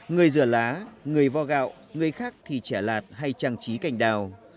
người rửa lá người vo gạo người khác thì trẻ lạt hay trang trí cành đào